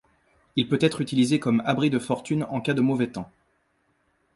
Il peut être utilisé comme abri de fortune en cas de mauvais temps.